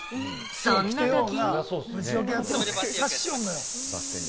そんなとき。